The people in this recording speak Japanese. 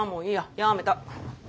やめた。